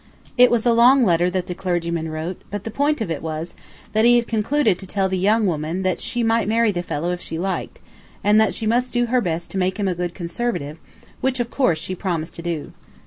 It was a long letter that the clergyman wrote, but the point of it was, that he had concluded to tell the young woman that she might marry the fellow if she liked, and that she must do her best to make him a good Conservative, which, of course, she promised to do.